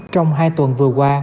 trong hai tuần vừa qua